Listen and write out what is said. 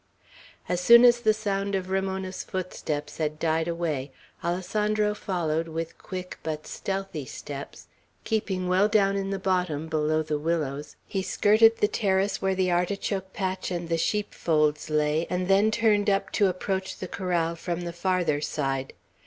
As soon as the sound of Ramona's footsteps had died away, Alessandro followed with quick but stealthy steps; keeping well down in the bottom, below the willows, he skirted the terrace where the artichoke patch and the sheepfolds lay, and then turned up to approach the corral from the farther side.